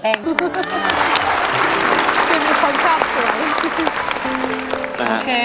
อเรนนี่คือเหตุการณ์เริ่มต้นหลอนช่วงแรกแล้วมีอะไรอีก